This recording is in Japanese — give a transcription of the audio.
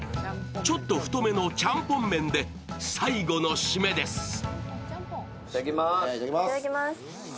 ちょっと太めのちゃんぽん麺で最後の締めです。